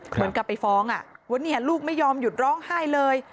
เหมือนกับไปฟ้องว่าเนี่ยลูกไม่ยอมหยุดร้องไห้เลย